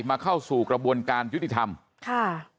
มาเข้าสู่กระบวนการยุติธรรมค่ะ